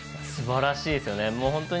すばらしいですよね。